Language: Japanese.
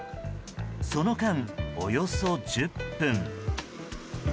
その間、およそ１０分。